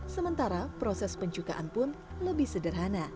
sementara proses pencukaan pun lebih sederhana